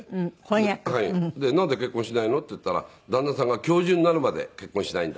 で「なんで結婚しないの？」って言ったら「旦那さんが教授になるまで結婚しないんだ」。